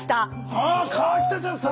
あ河北ちゃん